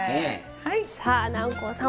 さあ南光さん